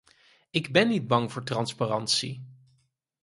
Ik ben niet bang voor transparantie.